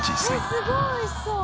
すごい美味しそう！